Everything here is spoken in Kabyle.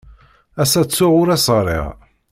Ass-a ttuɣ ur as-ɣriɣ.